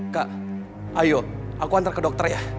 kak ayo aku antar ke dokter ya